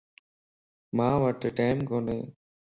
مان وٽ ٽيم ڪوني